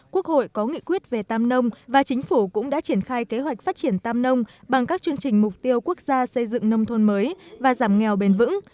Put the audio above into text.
quốc hội có nghị quyết về tam nông và chính phủ cũng đã triển khai kế hoạch phát triển tam nông bằng các chương trình mục tiêu quốc gia xây dựng nông thôn mới và giảm nghèo bền vững